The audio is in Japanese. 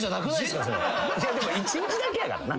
でも一日だけやからな？